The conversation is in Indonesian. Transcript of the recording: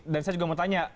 dan saya juga mau tanya